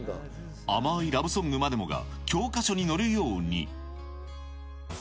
甘いラブソングまでもが教科書に載るように。